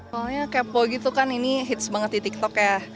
soalnya kepo gitu kan ini hits banget di tiktoknya